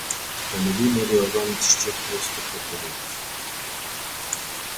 Themelimi i Organit Shqyrtues të Prokurimit.